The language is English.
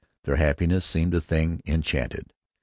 Their happiness seemed a thing enchanted.